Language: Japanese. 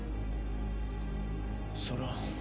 それは。